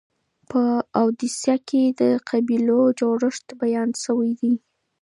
په اودیسه کي د قبیلو جوړښت بیان سوی دی.